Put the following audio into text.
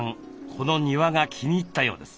この庭が気に入ったようです。